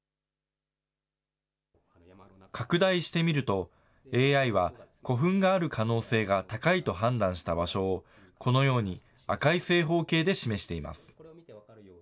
拡大してみると、ＡＩは古墳がある可能性が高いと判断した場所を、このように赤い正方形で示しています。